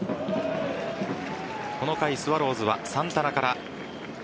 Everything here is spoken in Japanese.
この回スワローズはサンタナから。